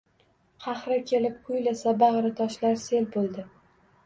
Qahri kelib kuylasa, bag‘ritoshlar sel bo‘ldi